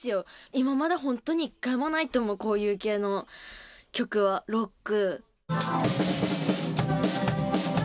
今まで本当に１回もないと思う、こういう系の曲は、ロック。